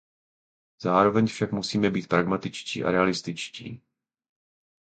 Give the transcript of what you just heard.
Zároveň však musíme být pragmatičtí a realističtí.